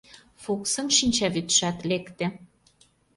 Фуксын шинчавӱдшат лекте.